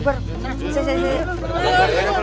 ya sudah sudah sudah